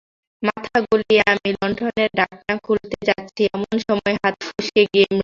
মাথা গলিয়ে আমি লন্ঠনের ঢাকনা খুলতে যাচ্ছি এমন সময় হাত ফসকে গিয়ে মৃদু।